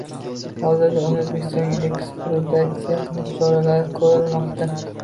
Hozirda uni O‘zbekistonga ekstraditsiya qilish choralari ko‘rilmoqda